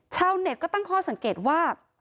ชาวเน็ตก็ตั้งข้อสังเกตว่า